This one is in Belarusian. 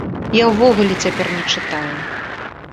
Я ўвогуле цяпер не чытаю.